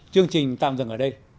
chương trình tạm dừng ở đây